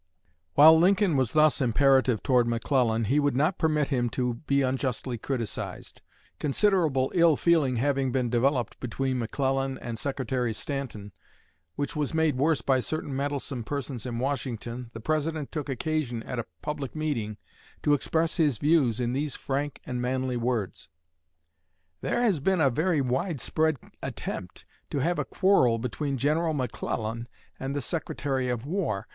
While Lincoln was thus imperative toward McClellan, he would not permit him to be unjustly criticized. Considerable ill feeling having been developed between McClellan and Secretary Stanton, which was made worse by certain meddlesome persons in Washington, the President took occasion, at a public meeting, to express his views in these frank and manly words: "There has been a very wide spread attempt to have a quarrel between General McClellan and the Secretary of War.